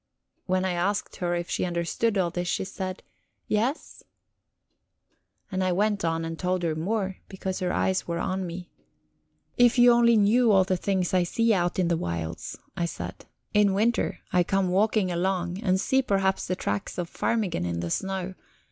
When I asked her if she understood all this, she said, "Yes." And I went on, and told her more, because her eyes were on me. "If you only knew all that I see out in the wilds!" I said. "In winter, I come walking along, and see, perhaps, the tracks of ptarmigan in the snow.